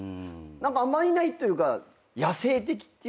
あんまいないというか野性的っていうのかな。